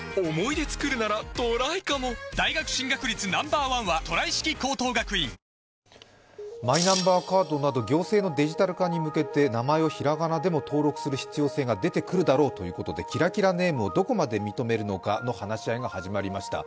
はぁサントリー新「オールフリー」マイナンバーカードなど行政のデジタル化に向けて名前をひらがなでも登録する必要性が出てくるだろうということで、キラキラネームをどこまで認めるのか話し合いが始まりました。